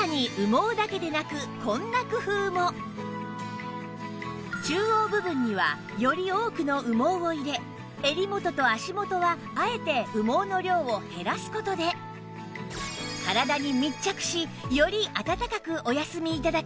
さらに中央部分にはより多くの羽毛を入れ襟元と足元はあえて羽毛の量を減らす事で体に密着しよりあたたかくお休み頂けるんです